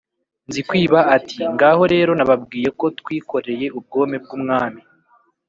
Nzikwiba ati: "Ngaho rero nababwiye ko twikoreye ubwome bw' umwami,